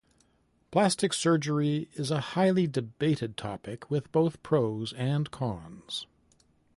Plastic surgery is a highly debated topic, with both pros and cons.